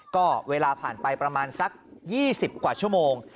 ก็เวลาผ่านไปประมาณสัก๒๐กว่าชั่วโมง